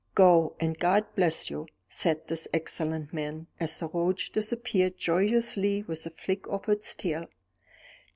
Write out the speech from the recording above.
"Go, and God bless you," said this excellent man, as the roach disappeared joyously with a flick of its tail.